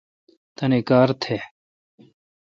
تانی کار تہ۔